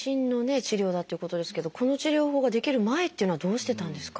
治療だということですけどこの治療法が出来る前というのはどうしてたんですか？